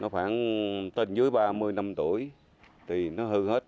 khoảng trên dưới ba mươi năm tuổi thì nó hư hết